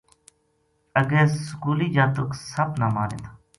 اگے سکولی جاتک سپ نا ماریں تھا